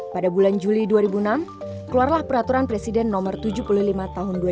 pada bulan juli dua ribu enam keluarlah peraturan presiden nomor tujuh puluh lima tahun dua ribu enam belas